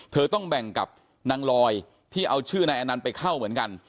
ต้องแบ่งกับนางลอยที่เอาชื่อนายอนันต์ไปเข้าเหมือนกัน